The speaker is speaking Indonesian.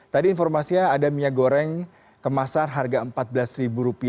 tadi informasinya ada minyak goreng kemasan harga rp empat belas